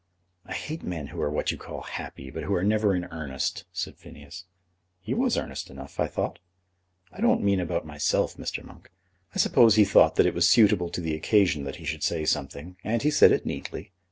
"I hate men who are what you call happy, but who are never in earnest," said Phineas. "He was earnest enough, I thought." "I don't mean about myself, Mr. Monk. I suppose he thought that it was suitable to the occasion that he should say something, and he said it neatly.